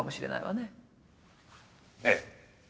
ええ。